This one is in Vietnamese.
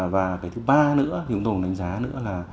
và cái thứ ba nữa thì chúng tôi cũng đánh giá nữa là